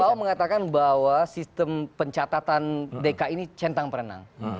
pak fogel mengatakan bahwa sistem pencatatan dk ini centang perenang